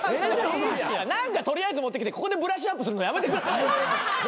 何か取りあえず持ってきてここでブラッシュアップするのやめて。